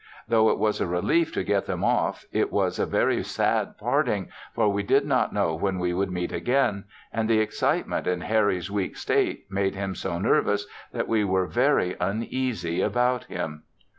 Though it was a relief to get them off it was a very sad parting, for we did not know when we would meet again, and the excitement in Harry's weak state made him so nervous we were very uneasy about him.